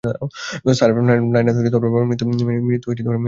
Sir, Naina তার বাবার মৃত্যু মেনে নিতে পারেনি।